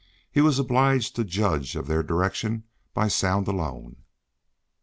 He was obliged to judge of their direction by sound alone.